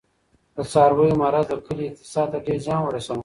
د څارویو مرض د کلي اقتصاد ته ډېر زیان ورساوه.